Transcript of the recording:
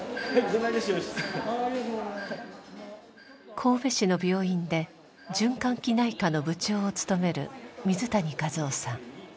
神戸市の病院で循環器内科の部長を務める水谷和郎さん。